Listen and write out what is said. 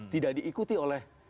tidak diikuti oleh